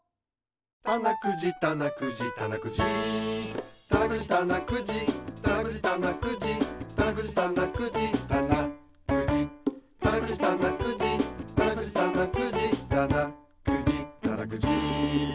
たなくじたなくじたなくじたなくじたなくじたなくじたなくじたなくじたなくじたなくじたなくじたなくじたなくじたなくじたなくじたなくじ